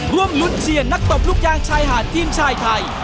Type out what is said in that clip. ร่วมรุ้นเชียร์นักตบลูกยางชายหาดทีมชายไทย